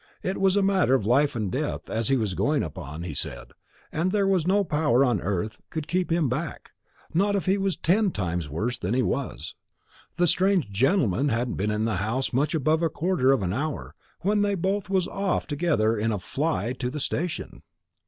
It was a matter of life and death as he was going upon, he said, and that there was no power on earth could keep him back, not if he was ten times worse than he was. The strange gentleman hadn't been in the house much above a quarter of an hour, when they was both off together in a fly to the station."